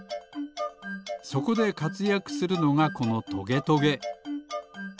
そこでかつやくするのがこのトゲトゲ。